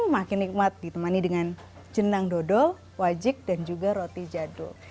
makin nikmat ditemani dengan jenang dodol wajik dan juga roti jadul